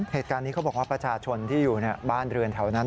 เหตุการณ์นี้เขาบอกว่าประชาชนที่อยู่บ้านเรือนแถวนั้น